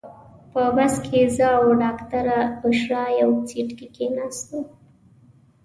په بس کې زه او ډاکټره بشرا یو سیټ کې کېناستو.